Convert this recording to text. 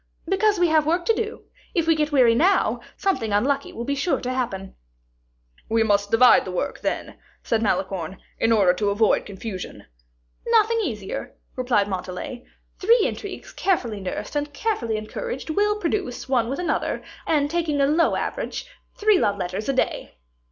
"Because we have work to do. If we get weary now, something unlucky will be sure to happen." "We must divide the work, then," said Malicorne, "in order to avoid confusion." "Nothing easier," replied Montalais. "Three intrigues, carefully nursed, and carefully encouraged, will produce, one with another, and taking a low average, three love letters a day."